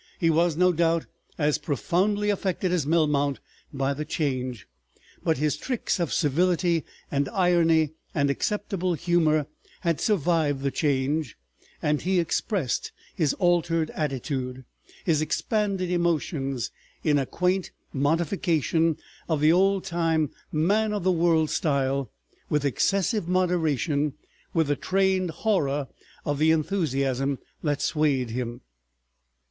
He was, no doubt, as profoundly affected as Melmount by the Change, but his tricks of civility and irony and acceptable humor had survived the Change, and he expressed his altered attitude, his expanded emotions, in a quaint modification of the old time man of the world style, with excessive moderation, with a trained horror of the enthusiasm that swayed him.